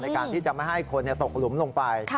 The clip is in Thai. การที่จะไม่ให้คนตกหลุมลงไป